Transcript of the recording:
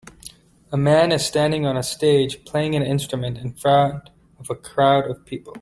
A man is standing on a stage playing an instrument in front of a crowd of people.